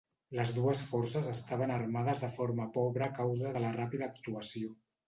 Les dues forces estaven armades de forma pobra a causa de la ràpida actuació.